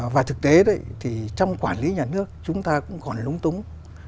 và thực tế thì trong quản lý nhà nước chúng ta cũng còn lúng túng